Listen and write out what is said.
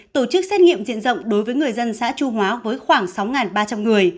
tổ chức xét nghiệm diện rộng đối với người dân xã trung hóa với khoảng sáu ba trăm linh người